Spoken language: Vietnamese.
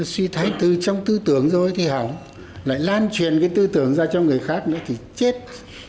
suy thoái trong tư tưởng rồi thì hỏng lại lan truyền cái tư tưởng ra cho người khác nữa thì chết